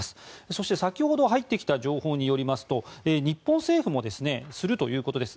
そして先ほど入ってきた情報によりますと日本政府もするということです。